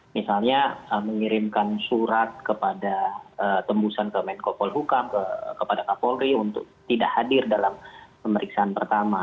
misalnya mengirimkan surat kepada tembusan ke menko polhukam kepada kapolri untuk tidak hadir dalam pemeriksaan pertama